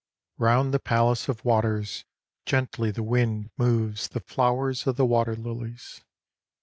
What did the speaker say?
OUND the Palace of Waters gently the wind moves the flowers of the water lilies.